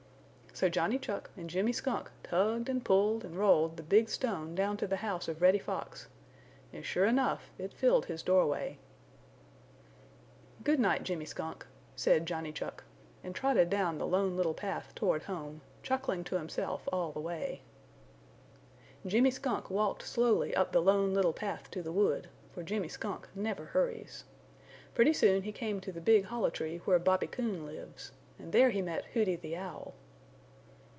So Johnny Chuck and Jimmy Skunk tugged and pulled and rolled the big stone down to the house of Reddy Fox, and sure enough, it filled his doorway. "Good night, Jimmy Skunk," said Johnny Chuck, and trotted down the Lone Little Path toward home, chuckling to himself all the way. Jimmy Skunk walked slowly up the Lone Little Path to the wood, for Jimmy Skunk never hurries. Pretty soon he came to the big hollow tree where Bobby Coon lives, and there he met Hooty the Owl.